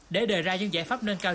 để đề ra những giải pháp nâng cao